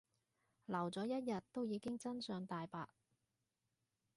留咗一日都已經真相大白